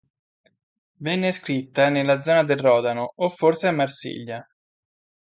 Venne scritta nella zona del Rodano, o forse a Marsiglia.